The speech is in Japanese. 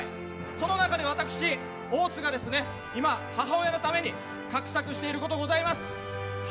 その中で私、大津が今、母親のために画策していることがございます。